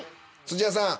土屋さん。